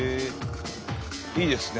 いいですね